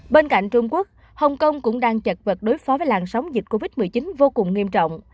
bên cạnh trung quốc hồng kông cũng đang chật vật đối phó với làn sóng dịch covid một mươi chín vô cùng nghiêm trọng